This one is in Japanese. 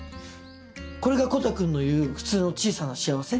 これがコタくんの言うフツーの小さな幸せ？